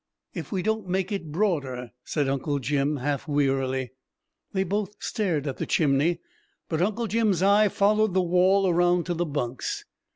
"If we don't make it broader," said Uncle Jim half wearily. They both stared at the chimney, but Uncle Jim's eye followed the wall around to the bunks.